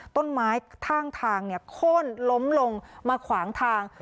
ต้นไม้ข้างทางโค้นล้มลงมาขวางทาง